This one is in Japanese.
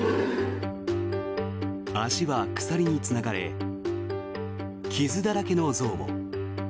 足は鎖につながれ傷だらけの象も。